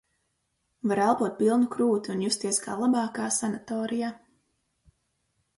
Var elpot pilnu krūti un justies kā labākā sanatorijā.